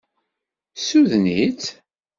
Ssuden-itt.